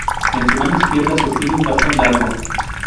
En su mano izquierda sostiene un bastón largo.